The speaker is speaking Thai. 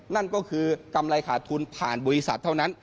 นั่นก็คือกำไรขาดทุนผ่านบริษัทเท่านั้น